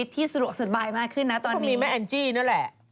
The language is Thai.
ที่สะดวกสบายมากขึ้นนะตอนนี้มีแม่แอนจี้นั่นแหละ